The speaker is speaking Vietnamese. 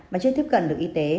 mà chưa tiếp cận được y tế